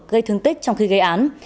gây thương tích trong khi gây án